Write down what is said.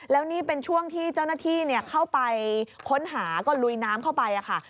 แล้วนี่เป็นช่วงที่เจ้าหน้าที่เข้าไปค้นหาก็ลุยน้ำเข้าไปค่ะ